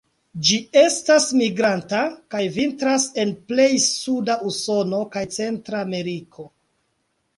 Ĝi estas migranta, kaj vintras en plej suda Usono kaj Centrameriko.